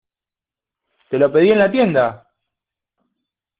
¡ Te lo pedí en la tienda!